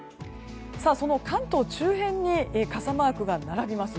関東周辺に傘マークが並びます。